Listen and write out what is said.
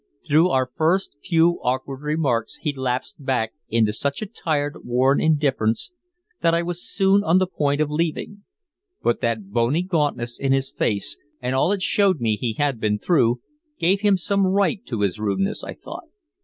Through our first few awkward remarks he lapsed back into such a tired, worn indifference that I was soon on the point of leaving. But that bony gauntness in his face, and all it showed me he had been through, gave him some right to his rudeness, I thought.